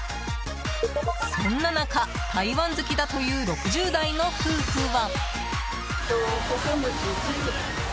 そんな中、台湾好きだという６０代の夫婦は。